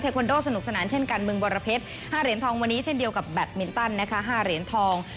คอนโดสนุกสนานเช่นกันเมืองบรเพชร๕เหรียญทองวันนี้เช่นเดียวกับแบตมินตันนะคะ๕เหรียญทอง